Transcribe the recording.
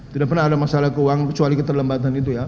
tidak pernah ada masalah keuangan kecuali keterlambatan itu ya